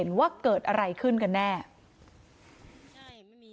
นางศรีพรายดาเสียยุ๕๑ปี